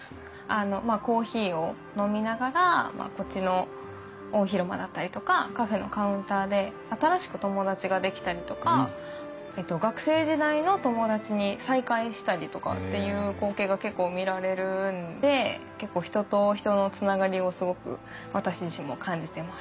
あのまあコーヒーを飲みながらこっちの大広間だったりとかカフェのカウンターで新しく友達が出来たりとか学生時代の友達に再会したりとかっていう光景が結構見られるので結構人と人のつながりをすごく私自身も感じてます。